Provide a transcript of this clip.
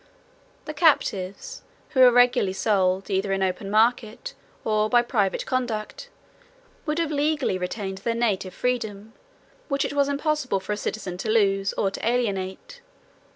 109 The captives, who were regularly sold, either in open market, or by private contract, would have legally regained their native freedom, which it was impossible for a citizen to lose, or to alienate.